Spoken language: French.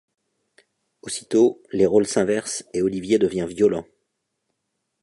Aussitôt, les rôles s'inversent et Olivier devient violent.